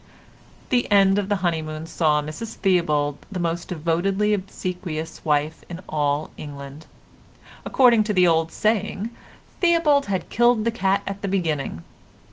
The end of the honeymoon saw Mrs Theobald the most devotedly obsequious wife in all England. According to the old saying, Theobald had killed the cat at the beginning.